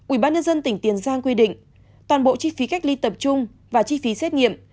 ubnd tỉnh tiền giang quy định toàn bộ chi phí cách ly tập trung và chi phí xét nghiệm